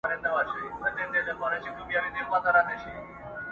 یو زلمی به په ویده قام کي پیدا سي٫